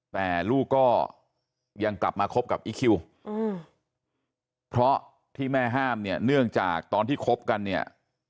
แต่ลูกก็ยังกลับมาคบกับอีคคิวเพราะที่แม่ห้ามเนี่ยเนื่องจากตอนที่คบกันเนี่ย